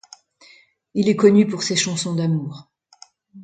Il est connu pour ses chansons d'amour.